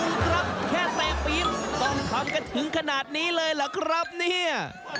ดูครับแค่เตะปี๊บต้องทำกันถึงขนาดนี้เลยเหรอครับเนี่ย